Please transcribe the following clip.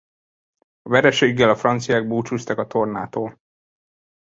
A vereséggel a franciák búcsúztak a tornától.